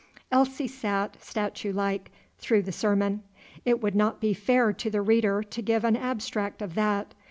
Elsie sat, statue like, through the sermon. It would not be fair to the reader to give an abstract of that.